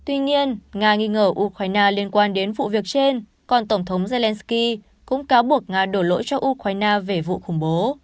tuy nhiên nga nghi ngờ ukraine liên quan đến vụ việc trên còn tổng thống zelensky cũng cáo buộc nga đổ lỗi cho ukraine về vụ khủng bố